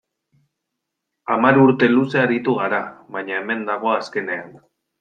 Hamar urte luze aritu g ara, baina hemen dago azkenean.